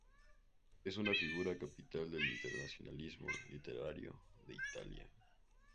Es una figura capital del internacionalismo literario de Italia.